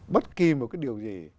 bất kì một cái điều gì